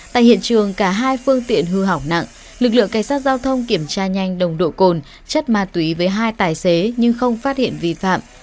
tại hiện trường cả hai phương tiện hư hỏng nặng lực lượng cảnh sát giao thông kiểm tra nhanh nồng độ cồn chất ma túy với hai tài xế nhưng không phát hiện vi phạm